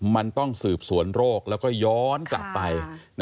มันต้องสืบสวนโรคแล้วก็ย้อนกลับไป